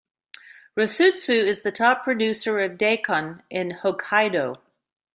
Rusutsu is the top producer of Daikon in Hokkaido.